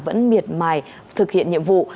vẫn miệt mải thực hiện nhiệm vụ